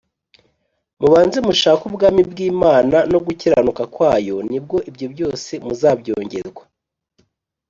” Mubanze mushake ubwami bw’Imana, no gukiranuka kwayo; ni bwo ibyo byose muzabyongerwa.